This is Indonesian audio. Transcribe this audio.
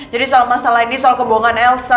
jadi soal masalah ini soal kebohongan elsa